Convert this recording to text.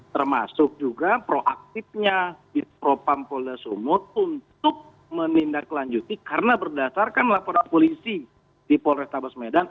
termasuk juga proaktifnya di propam polda sumut untuk menindaklanjuti karena berdasarkan laporan polisi di polrestabes medan